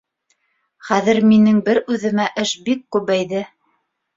Хәҙер минең бер үҙемә эш бик күбәйҙе.